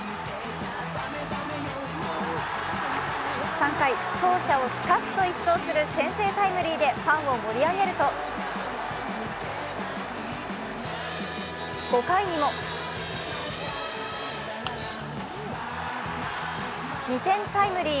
３回、走者をスカッと一掃する先制タイムリーでファンを盛り上げると、５回にも２点タイムリー。